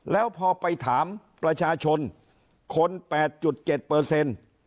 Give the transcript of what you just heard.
แล้วพอไปถามประชาชนคนแปดจุดเจ็ดเปอร์เซ็นต์